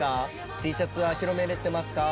Ｔシャツは広めれてますか？